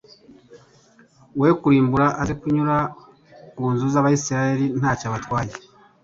wo kurimbura aze kunyura ku nzu z'Abisirayeli nta cyo abatwaye.